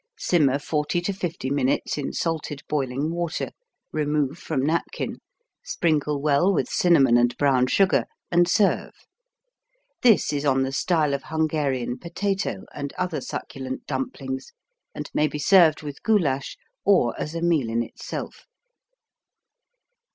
Simmer 40 to 50 minutes in salted boiling water, remove from napkin, sprinkle well with cinnamon and brown sugar, and serve. This is on the style of Hungarian potato and other succulent dumplings and may be served with goulash or as a meal in itself.